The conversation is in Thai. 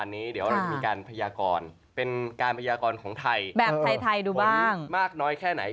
มีร้อนเหมือนกัน